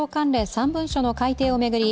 ３文書の改定を巡り